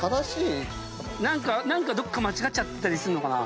何かどっか間違っちゃってたりするのかな？